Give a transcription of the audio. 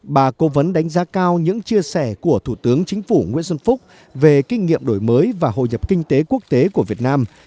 bà cố vấn đánh giá cao những chia sẻ của thủ tướng chính phủ nguyễn xuân phúc về kinh nghiệm đổi mới và hội nhập kinh tế quốc tế của việt nam